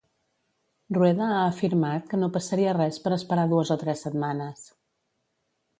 Rueda ha afirmat que no passaria res per esperar dues o tres setmanes.